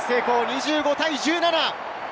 ２５対１７。